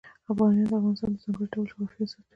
بامیان د افغانستان د ځانګړي ډول جغرافیه استازیتوب کوي.